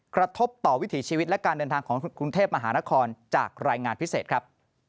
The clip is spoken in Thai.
กระทบต่อวิถีชีวิตและการเดินทางของกรุงเทพมหานครจากรายงานพิเศษครับ